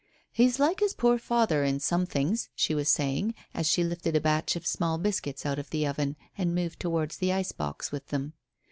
"He's like his poor father in some things," she was saying, as she lifted a batch of small biscuits out of the oven and moved towards the ice box with them.